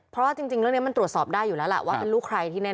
เพราะว่าจริงเรื่องนี้มันตรวจสอบได้อยู่แล้วล่ะว่าเป็นลูกใครที่แน่